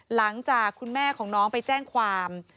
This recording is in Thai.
หลังจากคุณแม่ของน้องไปแจ้งความ